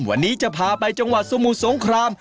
วันนี้จะพาไปจังหวัดสมุทรสงคราม